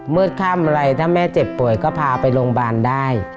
ค่ำอะไรถ้าแม่เจ็บป่วยก็พาไปโรงพยาบาลได้